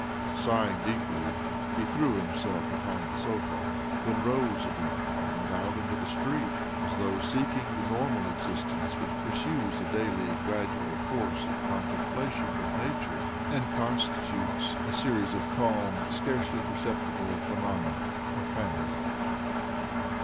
Sighing deeply, he threw himself upon the sofa — then rose again, and went out into the street, as though seeking the normal existence which pursues a daily, gradual course of contemplation of nature, and con stitutes a series of calm, scarcely perceptible 216 OBLOMOV 217 pheixomena of family life.